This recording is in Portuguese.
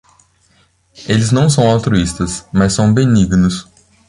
Eles não são altruístas, mas são benignos.